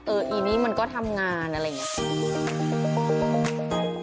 อีนี่มันก็ทำงานอะไรอย่างนี้